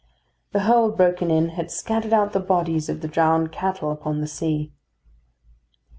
The hold, broken in, had scattered out the bodies of the drowned cattle upon the sea.